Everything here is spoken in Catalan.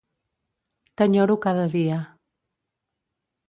T'enyoro cada dia.